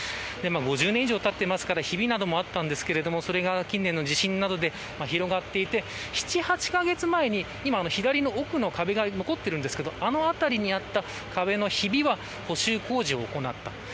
５０年以上たっていますからひびなどもあったんですけど、それが近年の地震などで広がっていって７、８カ月前に、左の奥の壁側に残っているんですけれどあの辺りにあった壁のひびは補修工事を行った。